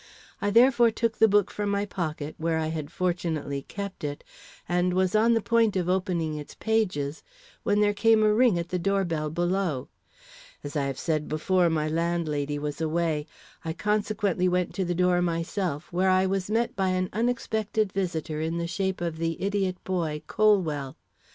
I therefore took the book from my pocket, where I had fortunately kept it, and was on the point of opening its pages, when there came a ring at the door bell below. As I have said before, my landlady was away. I consequently went to the door myself, where I was met by an unexpected visitor in the shape of the idiot boy, Colwell.